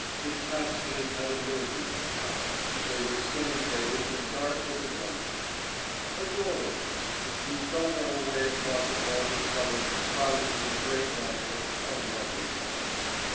Its passages had a mildewed smell; they were stone paved and dark as a dungeon. A door opened. We felt our way across a vaulted cellar crowded with gray blanketed, unlovely beds.